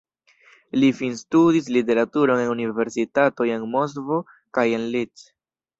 Li finstudis literaturon en universitatoj en Moskvo kaj en Leeds.